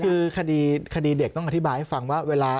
คือคดีเด็กต้องอธิบายให้ฟังว่าเวลา